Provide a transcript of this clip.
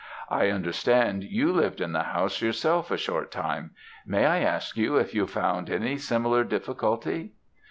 I understand you lived in the house yourself a short time; may I ask if you found any similar difficulty?'